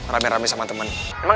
rame rame sama temen